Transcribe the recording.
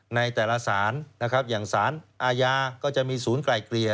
ในแต่ละสารนะครับอย่างสารอาญาก็จะมีศูนย์ไกลเกลี่ย